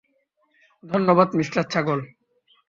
ধন্যবাদ মিস্টার ছাগল।